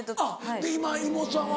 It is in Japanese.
今妹さんは？